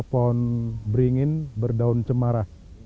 pohon beringin berdaun cemara